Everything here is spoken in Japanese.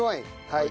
はい。